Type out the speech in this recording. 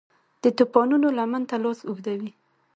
د توپانونو لمن ته لاس اوږدوي